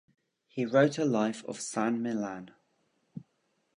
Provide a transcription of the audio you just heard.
He wrote a life of San Millan.